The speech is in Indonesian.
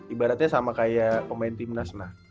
ibaratnya sama kayak pemain timnas lah